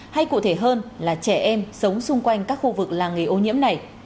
hay cụ thể hơn là trẻ em sống xung quanh các khu vực làng nghề ô nhiễm này